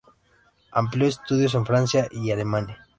Amplió estudios en Francia y Alemania.